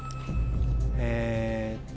えっと。